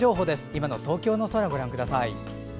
今の東京の空をご覧ください。